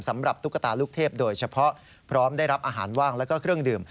ตุ๊กตาลูกเทพโดยเฉพาะพร้อมได้รับอาหารว่างแล้วก็เครื่องดื่ม